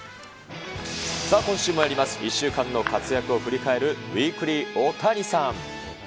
今週もやります、１週間の活躍を振り返る、ウィークリー、オオタニサン。